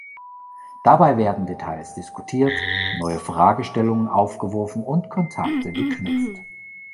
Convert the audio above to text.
Dabei werden Details diskutiert, neue Fragestellungen aufgeworfen und Kontakte geknüpft.